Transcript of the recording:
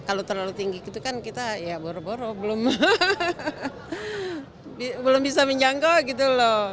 kalau terlalu tinggi gitu kan kita ya boro boro belum bisa menjangkau gitu loh